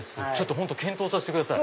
本当検討させてください。